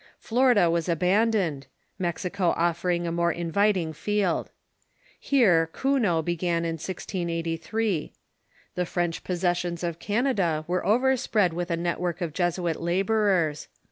Florida was abandoned, Mexico offering a more inviting field. Here Kuno began in 1683. Tlie French pos sessions of Canada were overspread with a network of Jesuit laborers.